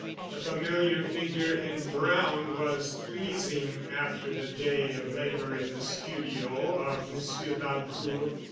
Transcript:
The familiar figure in brown was pleasing after the day of labor in the studio of Monsieur Valcourt.